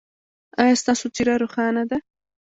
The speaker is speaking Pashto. ایا ستاسو څیره روښانه ده؟